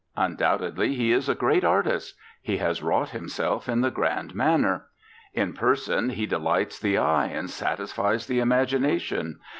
Undoubtedly he is a great artist. He has wrought himself in the grand manner. In person he delights the eye, and satisfies the imagination.